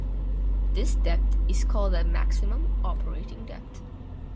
This depth is called the maximum operating depth.